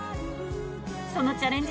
そのチャレンジ